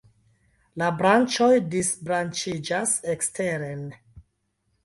La branĉoj disbranĉiĝas eksteren.